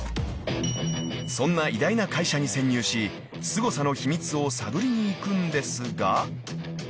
［そんな偉大な会社に潜入しすごさの秘密を探りに行くんですが］